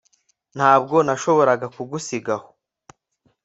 Ntabwo nashoboraga kugusiga aho